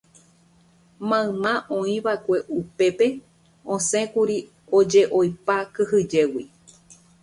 Mayma oĩva upépe osẽkuri ojeʼoipa kyhyjégui.